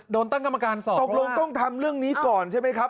โดนตั้งกรรมการสอบตกลงต้องทำเรื่องนี้ก่อนใช่ไหมครับ